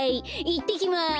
いってきます！